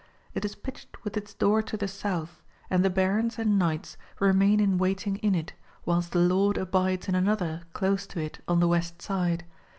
It is pitched with its door to the south, and the Barons and Knights remain in waiting in it, whilst the Lord abides in anotlicr close to it on the west side.